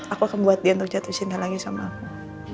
aku akan buat dia jatuh cinta lagi sama aku